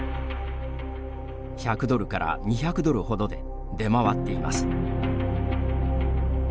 １００ドルから２００ドルほどで出回っています。